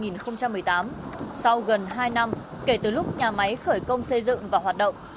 năm hai nghìn một mươi tám sau gần hai năm kể từ lúc nhà máy khởi công xây dựng và hoạt động